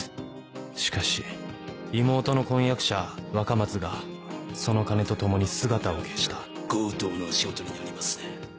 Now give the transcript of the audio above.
しかし妹の婚約者若松がその金と共に姿を消した強盗のお仕事になりますね。